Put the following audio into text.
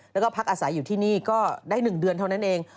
แล้วก็พักอาศัยอยู่ที่นี่ก็ได้๑เดือนเท่านั้นเอง